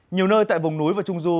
nhiều nơi tại vùng núi và trung du